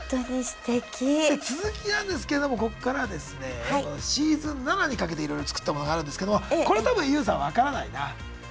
で続きなんですけどもこっからですねシーズン７にかけていろいろ作ったものがあるんですけどもこれ多分ＹＯＵさん分からないな。